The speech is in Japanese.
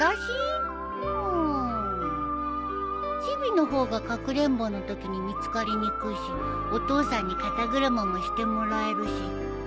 ちびの方がかくれんぼのときに見つかりにくいしお父さんに肩車もしてもらえるし。